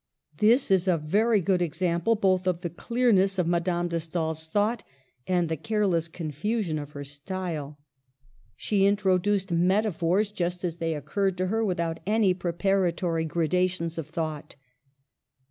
This is a very good example both of the clear ness of Madame de Stael's thought and the care less confusion of her style. She introduced Digitized by VjOOQIC 214 MADAME DE STAEL metaphors just as they occurred to her, without any preparatory gradations of thought.